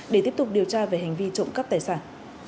để tiếp tục điều tra về hành vi trộn cấp tài sản